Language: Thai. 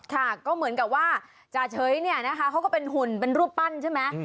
ค่ะก็เหมือนกับว่าจ่าเฉยเนี่ยนะคะเขาก็เป็นหุ่นเป็นรูปปั้นใช่ไหม